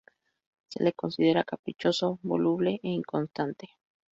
Se lo considera caprichoso, voluble e inconstante.